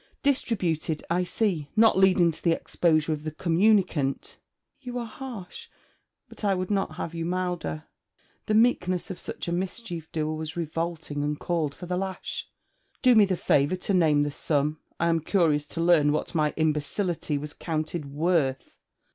'Distributed; I see: not leading to the exposure of the communicant!' 'You are harsh; but I would not have you milder.' The meekness of such a mischief doer was revolting and called for the lash. 'Do me the favour to name the sum. I am curious to learn what my imbecility was counted worth.'